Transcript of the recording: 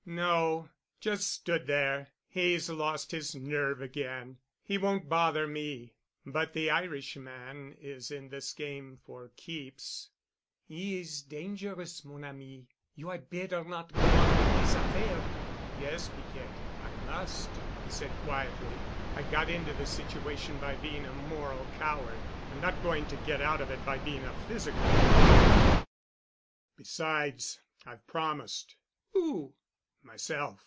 "No. Just stood there. He's lost his nerve again. He won't bother me, but the Irishman is in this game for keeps." "He is dangerous, mon ami. You 'ad better not go on wit' dis affair." "Yes, Piquette, I must," he said quietly. "I got into this situation by being a moral coward, I'm not going to get out of it by being a physical one. Besides, I've promised." "Who?" "Myself.